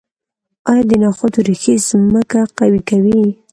آیا د نخودو ریښې ځمکه قوي کوي؟